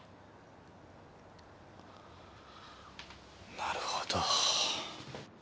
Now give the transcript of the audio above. なるほど。